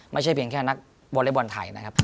ไม่ใช่เพียงแค่นักวอเล็กบอลไทยนะครับ